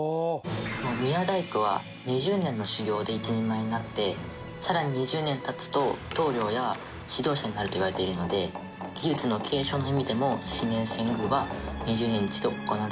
宮大工は２０年の修業で一人前になってさらに２０年経つと棟梁や指導者になるといわれているので技術の継承の意味でも式年遷宮は２０年に一度行われるといわれています。